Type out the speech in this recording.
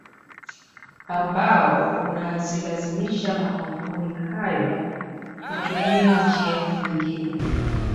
Ambao unazilazimu makampuni haya kutumia njia nyingine